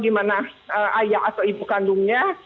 di mana ayah atau ibu kandungnya